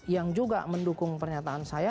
yang juga mendukung pernyataan saya